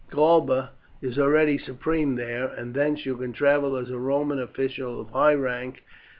Galba is already supreme there, and thence you can travel as a Roman official of high rank.